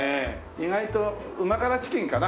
意外と「旨辛チキン」かな？